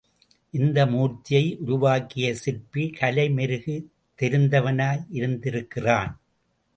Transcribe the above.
இந்த மூர்த்தியை உருவாக்கிய சிற்பி கலை மெருகு தெரிந்தவனாயிருந்திருக்கிறான்.